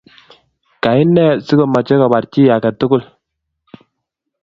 Kaine sigomeche kobar chi age tugul?